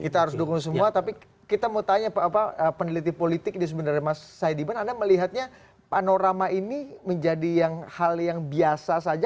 kita harus dukung semua tapi kita mau tanya peneliti politik ini sebenarnya mas saidiman anda melihatnya panorama ini menjadi hal yang biasa saja